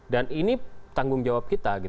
dan ini tanggung jawab kita